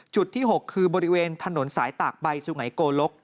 จุดที่๖คือบริเวณถนนสายตากใบสุไงโกลก